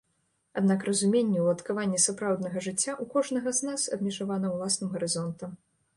Аднак разуменне ўладкавання сапраўднага жыцця ў кожнага з нас абмежавана ўласным гарызонтам.